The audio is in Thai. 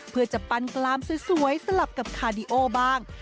เพื่อจะปั้นกลามสวยสลับกับคาดิโอบ้าง